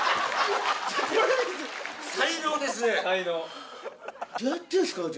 才能ですね。